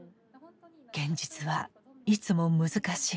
現実はいつも難しい。